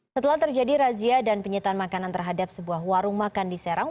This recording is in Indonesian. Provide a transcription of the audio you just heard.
setelah terjadi razia dan penyitaan makanan terhadap sebuah warung makan di serang